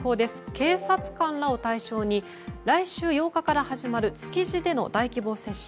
警察官らを対象に来週８日から始まる築地での大規模接種。